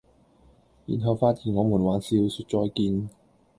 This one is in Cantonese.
然後發現我們還是要說再見